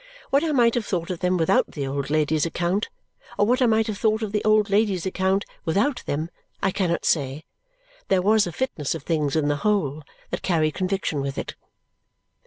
What I might have thought of them without the old lady's account, or what I might have thought of the old lady's account without them, I cannot say. There was a fitness of things in the whole that carried conviction with it.